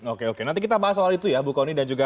oke oke nanti kita bahas soal itu ya bu kony dan juga